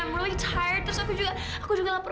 beritahu aku ada apa